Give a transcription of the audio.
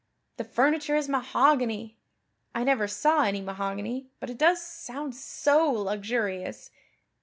The furniture is mahogany. I never saw any mahogany, but it does sound so luxurious.